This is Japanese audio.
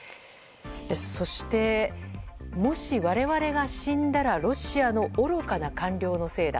そして、もし我々が死んだらロシアの愚かな官僚のせいだ。